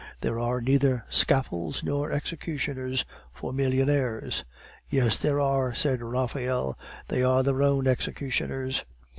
There are neither scaffolds nor executioners for millionaires." "Yes, there are," said Raphael; "they are their own executioners."